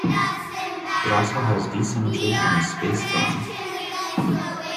It also has d symmetry and is space-filling.